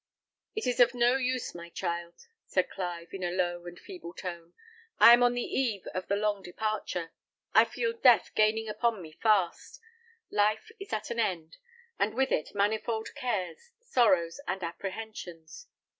"It is of no use, my child," said Clive, in a low and feeble tone. "I am on the eve of the long departure. I feel death gaining upon me fast; life is at an end, and with it manifold cares, sorrows, and apprehensions.